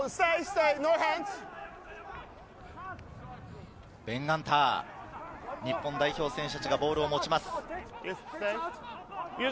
一度耐えてから、ベン・ガンター、日本代表選手たちがボールを持ちます。